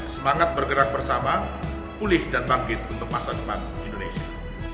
semangat bergerak bersama pulih dan bangkit untuk masa depan indonesia